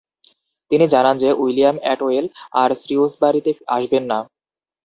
তিনি জানান যে, উইলিয়াম অ্যাটওয়েল আর শ্রিউসবারিতে আসবেন না।